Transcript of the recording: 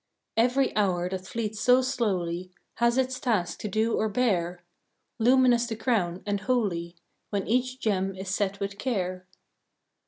Every hour that fleets so slowly Has its task to do or bear; Luminous the crown, and holy, When each gem is set with care.